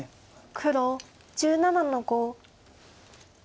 黒１７の五。